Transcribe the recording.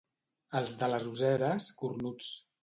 Els de les Useres, cornuts.